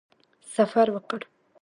سفر وکړ.